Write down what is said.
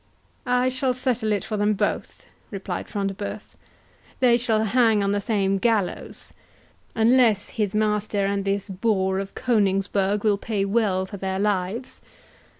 "I shall settle it for them both," replied Front de Bœuf; "they shall hang on the same gallows, unless his master and this boar of Coningsburgh will pay well for their lives.